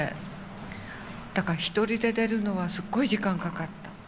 だから一人で出るのはすっごい時間かかった。